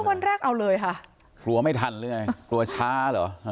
วันแรกเอาเลยค่ะหัวไม่ทันเลยหรอ